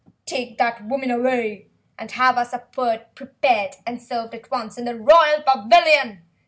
"Take that woman away, and have our supper prepared and served at once in the Royal Pavilion!"